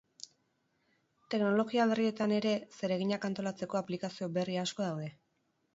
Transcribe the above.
Teknologia berrietan ere zereginak antolatzeko aplikazio berri asko daude.